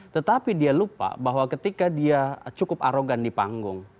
tetapi dia lupa bahwa ketika dia cukup arogan di panggung